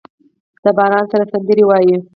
د باران سره سندرې وايي